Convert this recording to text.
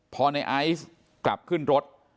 พอในไอซ์กลับขึ้นรถ